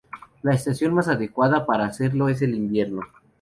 La estación más adecuada para hacerlo es el invierno.